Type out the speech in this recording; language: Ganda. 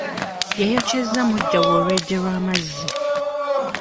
Yayokyezza mujjawe olwejje lw'amazzi.